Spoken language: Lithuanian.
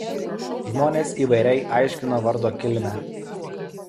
Žmonės įvairiai aiškina vardo kilmę.